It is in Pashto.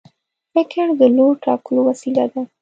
فکر د لور ټاکلو وسیله ده.